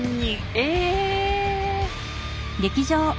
え！